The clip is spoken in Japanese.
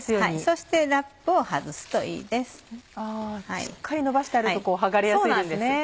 しっかりのばしてあると剥がれやすいですね。